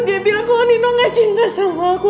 dia bilang kok nino gak cinta sama aku